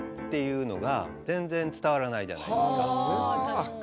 確かに。